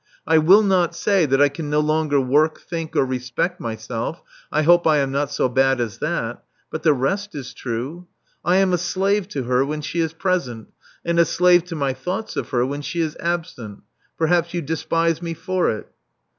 I will not say that I can no longer work, think, or respect myself — I hope I am not so bad as that: but the rest is true. I am a slave to her when she is present, and a slave to my thoughts of her when she is absent. Perhaps you despise me for it."